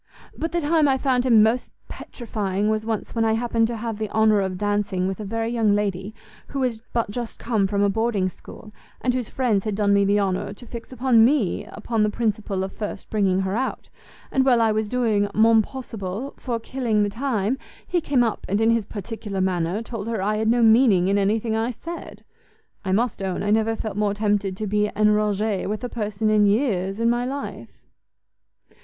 But the time I found him most petrifying was once when I happened to have the honour of dancing with a very young lady, who was but just come from a boarding school, and whose friends had done me the honour to fix upon me upon the principle of first bringing her out: and while I was doing mon possible for killing the time, he came up, and in his particular manner, told her I had no meaning in any thing I said! I must own I never felt more tempted to be enrage with a person in years, in my life."